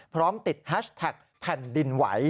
พร้อมติดแฮชแท็กแผ่นดินไหว